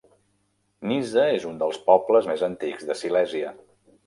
Nysa és un dels pobles més antics de Silèsia.